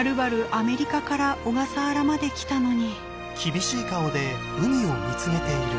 アメリカから小笠原まで来たのに。